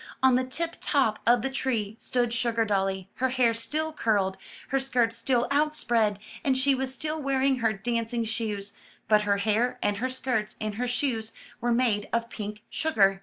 On the tip top of the tree stood Sugardolly, her hair still curled, her skirts still outspread, and she was still wearing her dancing shoes, but her hair, and her skirts, and her shoes were made of pink sugar.